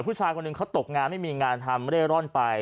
ผู้ชายคนหนึ่งเขาตกงานไม่มีงานทำเร่ร่อนไป